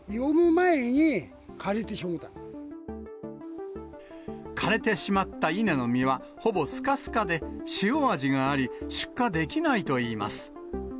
実がよる前に、枯れてしまっ枯れてしまった稲の実はほぼすかすかで、塩味があり、出荷できないといいます。